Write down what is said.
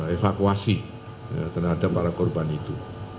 evakuasi terhadap para korban itu